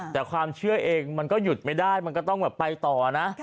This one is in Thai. แต่ความเชื่อเองมันก็หยุดไม่ได้มันก็ต้องแบบไปต่อนะ